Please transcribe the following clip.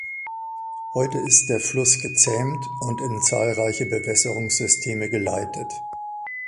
Heute ist der Fluss gezähmt und in zahlreiche Bewässerungssysteme geleitet.